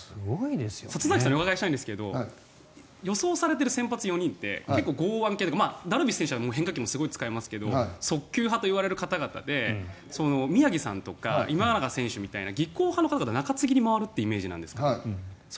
里崎さんにお伺いしたいんですけど予想されている先発４人って結構、剛腕系４人ダルビッシュは変化球も使いますけど速球派といわれる方々で宮城さんとか今永選手みたいな技巧派の方が中継ぎに回るというイメージなんですか？